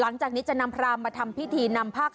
น่าจะเป็นอย่างงั้น